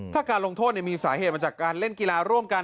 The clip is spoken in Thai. ถ้าการลงโทษมีสาเหตุมาจากการเล่นกีฬาร่วมกัน